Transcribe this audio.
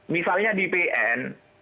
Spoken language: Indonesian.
misalnya di pn